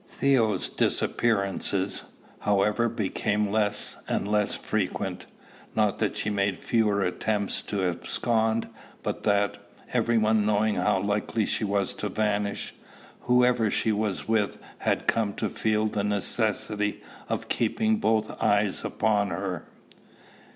Theo's disappearances, however, became less and less frequent, not that she made fewer attempts to abscond, but that, every one knowing how likely she was to vanish, whoever she was with had come to feel the necessity of keeping both eyes upon her.